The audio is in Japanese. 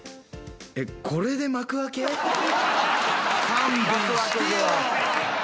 勘弁してよ。